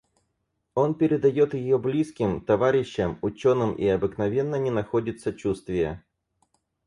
Он передает ее близким, товарищам, ученым и обыкновенно не находит сочувствия.